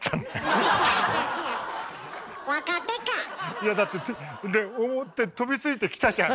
いやだって「おっ」て飛びついてきたじゃん。